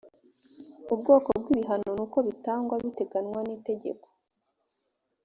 ubwoko bw ibihano n uko bitangwa biteganwa nitegeko